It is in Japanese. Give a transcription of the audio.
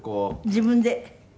自分で？